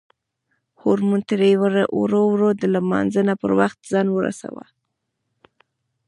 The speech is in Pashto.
هورموز تري ورور د لمانځه پر وخت ځان ورساوه.